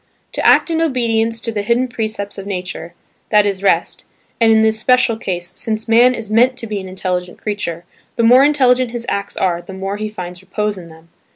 To act in obedience to the hidden precepts of nature–that is rest; and in this special case, since man is meant to be an intelligent creature, the more intelligent his acts are the more he finds repose in them.